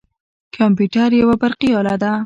کمپیوتر یوه برقي اله ده.